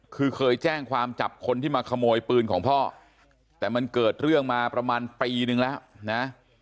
คือเคยแจ้งความจับคนที่มาขโมยปืนของพ่อแต่มันเกิดเรื่องมาประมาณปีนึงแล้วนะ